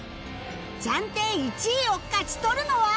暫定１位を勝ち取るのは？